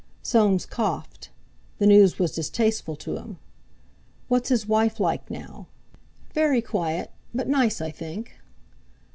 Soames coughed: the news was distasteful to him. "What's his wife like now?" "Very quiet, but nice, I think."